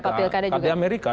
berapa pilkada juga